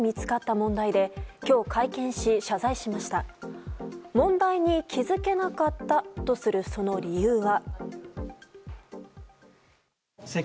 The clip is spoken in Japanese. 問題に気づけなかったとするその理由は。